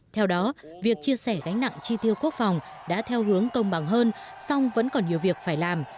theo đó việc chia sẻ gánh nặng chi tiêu quốc phòng đã theo hướng công bằng hơn song vẫn còn nhiều việc phải làm